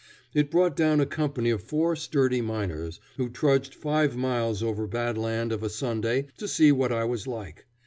It brought down a company of four sturdy miners, who trudged five miles over bad land of a Sunday to see what I was like.